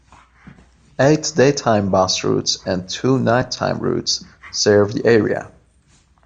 Eight daytime bus routes and two night-time routes serve the area.